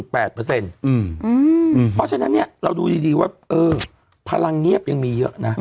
เพราะฉะนั้นเราดูดีว่าพลังเงียบยังมีเยอะนะ